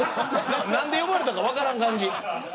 何で呼ばれたか分からない感じ。